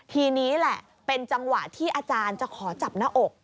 ทีนี้แหละเป็นจังหวะที่อาจารย์จะขอจับหน้าอก